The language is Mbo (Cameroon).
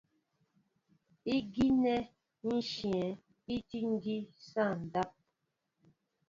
Ígínɛ́ íshyə̂ í tí ígí sááŋ ndáp.